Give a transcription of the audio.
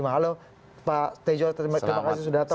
halo pak tejo terima kasih sudah datang